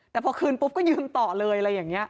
แต่พอคืนปุ๊บก็ยืนต่อเลยอะไรอย่างนี้